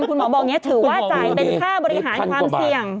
คุณหมอบอกอย่างนี้ถือว่าจ่ายเป็นค่าบริหารความเสี่ยง